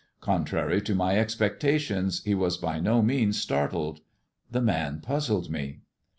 Contrary to my expectations, he was by no means startled. The man puzzled me.